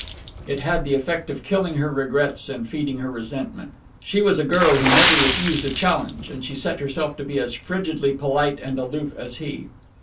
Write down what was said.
It had the effect of killing her regrets and feeding her resentment. She was a girl who never refused a challenge, and she set herself to be as frigidly polite and aloof as he.